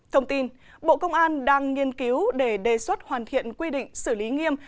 thông tin bộ công an đang nghiên cứu để đề xuất hoàn thiện quy định xử lý nghiêm